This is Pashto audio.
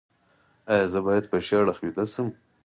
ایا زه باید په ښي اړخ ویده شم؟